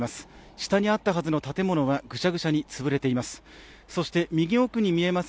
下にあったはずの建物はぐちゃぐちゃに潰れています。